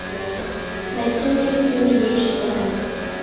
Nakinnye firime nyinshi cyane